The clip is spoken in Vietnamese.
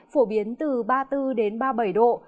phổ biến từ ba mươi bốn đến ba mươi bảy độ